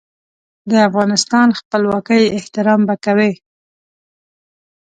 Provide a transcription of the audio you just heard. د افغانستان خپلواکۍ احترام به کوي.